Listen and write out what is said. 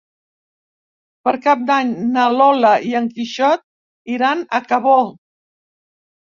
Per Cap d'Any na Lola i en Quixot iran a Cabó.